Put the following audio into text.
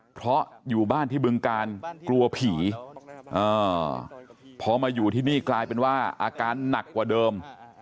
เพราะอยู่บ้านที่บึงการกลัวผีพอมาอยู่ที่นี่กลายเป็นว่าอาการหนักกว่าเดิม